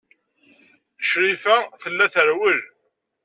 Crifa tella trewwel.